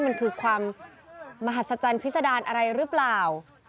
มันคือความมหัศจรรย์พิษดารอะไรหรือเปล่า